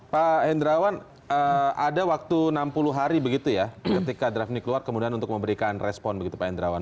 pak hendrawan ada waktu enam puluh hari begitu ya ketika draft ini keluar kemudian untuk memberikan respon begitu pak hendrawan